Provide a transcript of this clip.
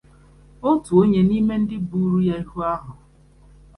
Otu onye n'ime ndị buuru ya ìhù ahụ